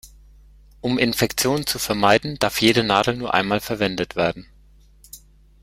Um Infektionen zu vermeiden, darf jede Nadel nur einmal verwendet werden.